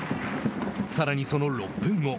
さらにその６分後。